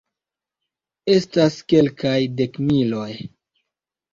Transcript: Estas kelkaj dekmiloj.